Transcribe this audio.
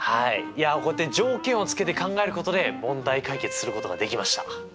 いやこうやって条件をつけて考えることで問題解決することができました。